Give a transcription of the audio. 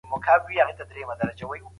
د بشري قوانينو په اړه بحث وکړئ.